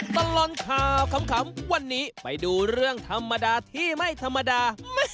ตลอดข่าวขำวันนี้ไปดูเรื่องธรรมดาที่ไม่ธรรมดา